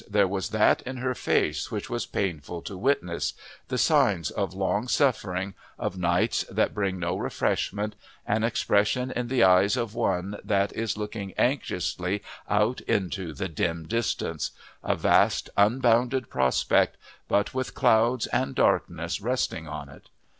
there was that in her face which was painful to witness the signs of long suffering, of nights that bring no refreshment, an expression in the eyes of one that is looking anxiously out into the dim distance a vast unbounded prospect, but with clouds and darkness resting on it.